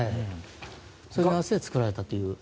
それに合わせて作られたという。